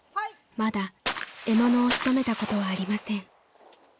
［まだ獲物を仕留めたことはありません］